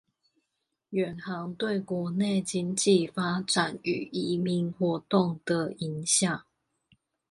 遠航對國內經濟發展與移民活動的影響